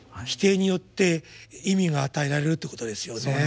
否定によって意味が与えられるということですよね。